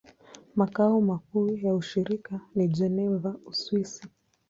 Makao makuu ya shirika ni Geneva, Uswisi.